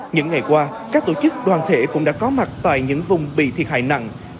những ngày qua các tổ chức đoàn thể cũng đã có mặt tại những vùng bị thiệt hại nặng